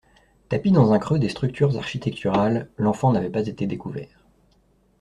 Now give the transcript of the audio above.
Tapi dans un creux des sculptures architecturales, l'enfant n'avait pas été découvert.